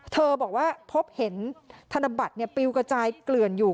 เธอบอกว่าพบเห็นธนบัตรปิวกระจายเกลื่อนอยู่